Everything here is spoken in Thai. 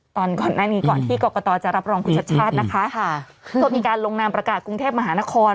ตอนก่อนหน้านี้ก่อนที่กรกตจะรับรองคุณชัดชาตินะคะค่ะก็มีการลงนามประกาศกรุงเทพมหานคร